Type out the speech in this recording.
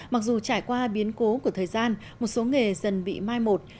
mặc dù trải qua biến cố của thời gian một số nghề dần bị mai một